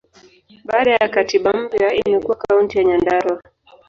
Baada ya katiba mpya, imekuwa Kaunti ya Nyandarua.